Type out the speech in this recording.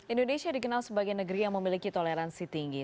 indonesia dikenal sebagai negeri yang memiliki toleransi tinggi